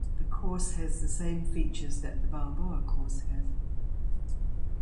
The course has the same features that the Balboa course has.